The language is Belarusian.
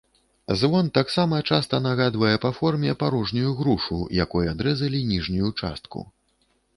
Звон таксама часта нагадвае па форме парожнюю грушу, якой адрэзалі ніжнюю частку.